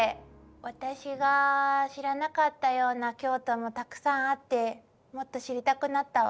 私が知らなかったような京都もたくさんあってもっと知りたくなったわ。